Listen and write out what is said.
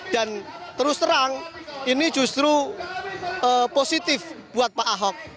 dan terus terang ini justru positif buat pak ahok